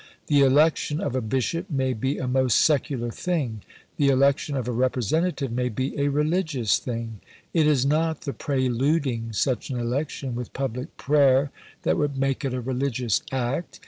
The election of a bishop may be a most secular thing. The election of a representative may be a religious thing. It is not the preluding such an election with public prayer that would make it a religious act.